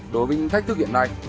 đối với thách thức hiện nay